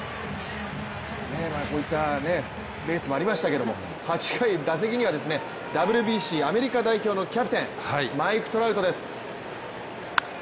こういったレースもありましたけれども８回、打席にはＷＢＣアメリカ代表のキャプテンマイク・トラウトです。